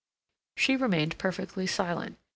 She remained perfectly silent.